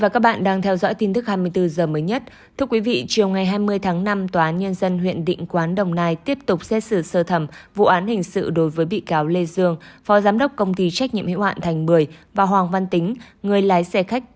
chào mừng quý vị đến với bộ phim hãy nhớ like share và đăng ký kênh của chúng mình nhé